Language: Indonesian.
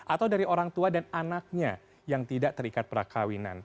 atau dari orang tua dan anaknya yang tidak terikat perkawinan